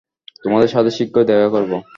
তোমাদের সাথে শীঘ্রই দেখা করব।